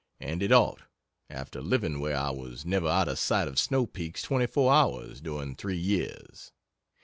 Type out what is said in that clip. And it ought, after living where I was never out of sight of snow peaks twenty four hours during three years.